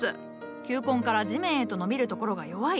球根から地面へと伸びるところが弱い。